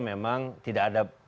memang tidak ada